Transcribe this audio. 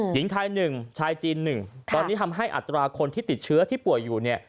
หญิงไทย๑ชายจีน๑ตอนนี้ทำให้อัตราคนที่ติดเชื้อที่ป่วยอยู่เนี่ย